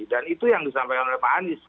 dan itu yang disampaikan oleh pak anies